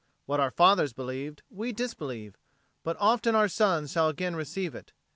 What our fathers believed, we disbelieve; but often our sons shall again receive it.